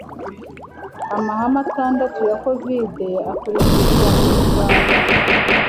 Amahame atandatu ya covid akurikizwa mu Rwanda.